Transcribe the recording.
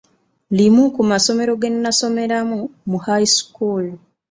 Limu ku masomero ge nnasomeramu mu high school